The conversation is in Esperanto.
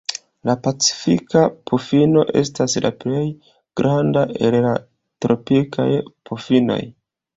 La Pacifika pufino estas la plej granda el la tropikaj pufinoj.